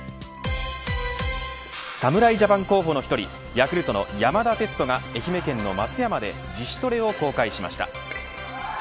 侍ジャパン候補の１人ヤクルトの山田哲人が愛媛県の松山で自主トレを公開しました。